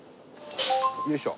よいしょ。